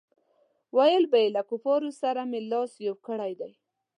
ویل به یې له کفارو سره مې لاس یو کړی دی.